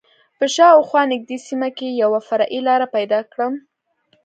په شا او خوا نږدې سیمه کې یوه فرعي لاره پیدا کړم.